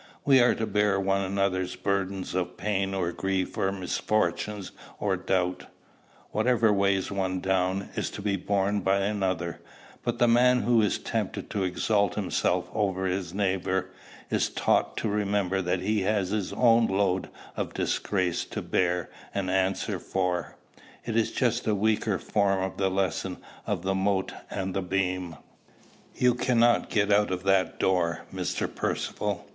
We are to bear one another's burdens of pain or grief or misfortune or doubt, whatever weighs one down is to be borne by another; but the man who is tempted to exalt himself over his neighbor is taught to remember that he has his own load of disgrace to bear and answer for. It is just a weaker form of the lesson of the mote and the beam. You cannot get out at that door, Mr. Percivale.